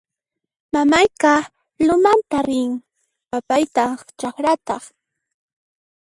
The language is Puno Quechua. Mamayqa lumatan rin; papaytaq chakrata